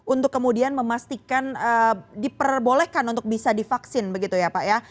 untuk kemudian memastikan diperbolehkan untuk bisa divaksin begitu ya pak ya